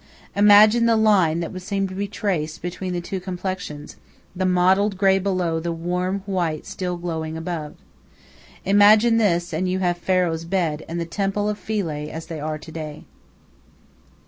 Imagine the line that would seem to be traced between the two complexions the mottled grey below the warm white still glowing above. Imagine this, and you have "Pharaoh's Bed" and the temple of Philae as they are to day.